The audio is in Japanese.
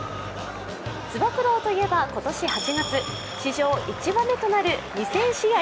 つば九郎といえば、今年８月、史上１羽目なる２０００試合